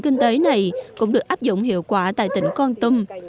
kinh tế này cũng được áp dụng hiệu quả tại tỉnh con tum